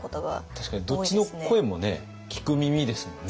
確かにどっちの声もね聞く耳ですもんね。